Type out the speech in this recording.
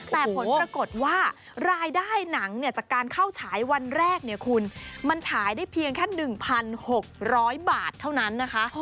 แต่ผลปรากฏว่ารายได้หนังจากการเข้าฉายวันแรกเนี่ยคุณมันฉายได้เพียงแค่๑๖๐๐บาทเท่านั้นนะคะ